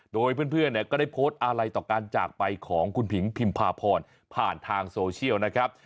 โดยเพื่อนเนี่ยก็ได้โพสต์อะไรต่อการจากไปของคุณผิงพิมพาพรผ่านทางโซเชียลนะครับ